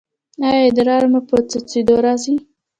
ایا ادرار مو په څڅیدو راځي؟